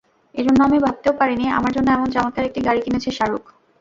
এজন্য আমি ভাবতেও পারিনি, আমার জন্য এমন চমত্কার একটি গাড়ি কিনেছে শাহরুখ।